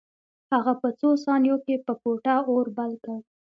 هغه په څو ثانیو کې په کوټه اور بل کړ